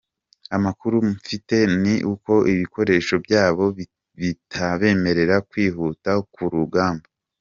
Amakuru mfite ni uko ibikoresho byabo bitabemerera kwihuta ku rugamba.